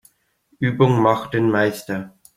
Übung macht den Meister.